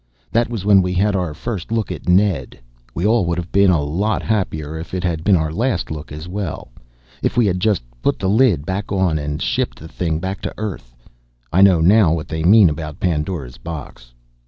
That was when we had our first look at Ned. We all would have been a lot happier if it had been our last look as well. If we had just put the lid back on and shipped the thing back to earth! I know now what they mean about Pandora's Box.